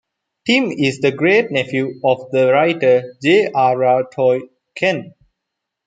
Tim is the great-nephew of the writer J. R. R. Tolkien.